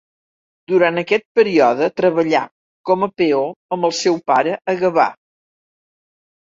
Durant aquest període treballà com a peó amb el seu pare a Gavà.